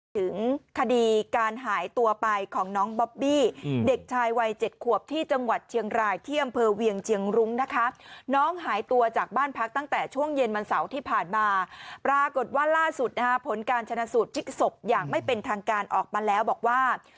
ถึงคดีการหายตัวไปของน้องบอบบี้เด็กชายวัย๗ขวบที่จังหวัดเชียงรายที่อำเภอเวียงเชียงรุ้งนะคะน้องหายตัวจากบ้านพักตั้งแต่ช่วงเย็นวันเสาร์ที่ผ่านมาปรากฏว่าล่าสุดนะฮะผลการชนะสูตรพลิกศพอย่างไม่เป็นทางการออกมาแล้วบอกว่า